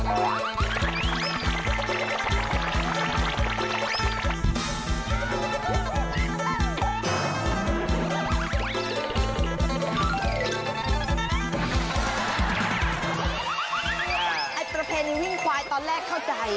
ประเพณีวิ่งควายตอนแรกเข้าใจ